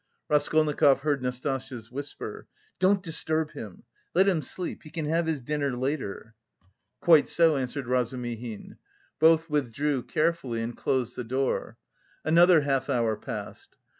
Raskolnikov heard Nastasya's whisper: "Don't disturb him! Let him sleep. He can have his dinner later." "Quite so," answered Razumihin. Both withdrew carefully and closed the door. Another half hour passed.